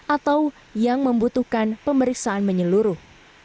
atau yang membutuhkan pemeriksaan menyeluruh